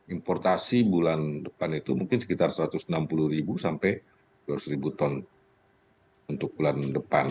importasi bulan depan itu mungkin sekitar satu ratus enam puluh ribu sampai dua ratus ton untuk bulan depan